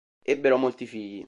Ebbero molti figli.